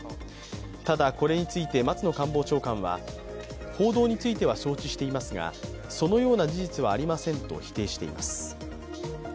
ただ、これについて松野官房長官は報道については承知していますがそのような事実はありませんと否定しています。